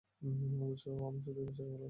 অবশ্যই, ওহ, আমি শুধু এই ভাষাকে ভালোবাসি।